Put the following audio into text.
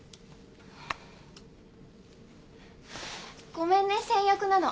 ごめんね先約なの。